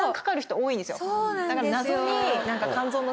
だから謎に。